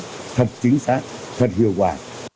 cũng thật chính xác thật hiệu quả